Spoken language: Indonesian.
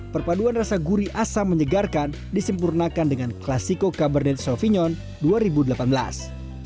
perpaduan rasa gurih asam menyegarkan disempurnakan dengan classico cabernet sauvignon blanc dua ribu delapan belas